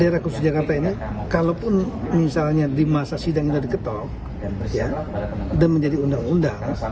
daerah kursus jakarta ini kalaupun misalnya di masa sidangnya sudah diketahui dan menjadi undang undang